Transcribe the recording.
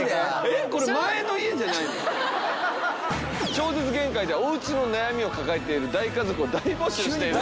『超絶限界』ではおうちの悩みを抱えている大家族を大募集していると。